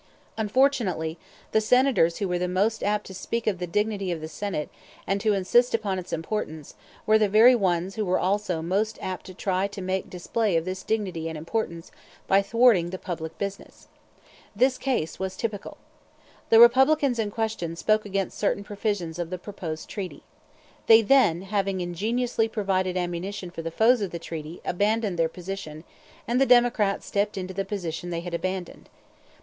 Unfortunately the Senators who were most apt to speak of the dignity of the Senate, and to insist upon its importance, were the very ones who were also most apt to try to make display of this dignity and importance by thwarting the public business. This case was typical. The Republicans in question spoke against certain provisions of the proposed treaty. They then, having ingeniously provided ammunition for the foes of the treaty, abandoned their opposition to it, and the Democrats stepped into the position they had abandoned.